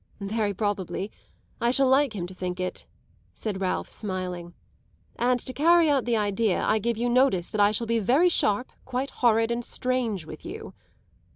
"Very probably; I shall like him to think it," said Ralph, smiling; "and, to carry out the idea, I give you notice that I shall be very sharp, quite horrid and strange, with you."